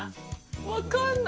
分かんない。